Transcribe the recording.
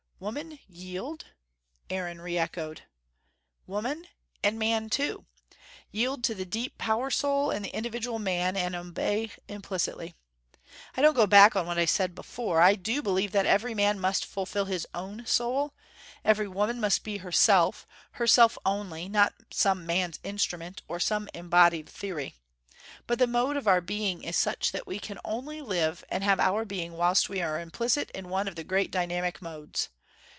"Woman yield ?" Aaron re echoed. "Woman and man too. Yield to the deep power soul in the individual man, and obey implicitly. I don't go back on what I said before. I do believe that every man must fulfil his own soul, every woman must be herself, herself only, not some man's instrument, or some embodied theory. But the mode of our being is such that we can only live and have our being whilst we are implicit in one of the great dynamic modes.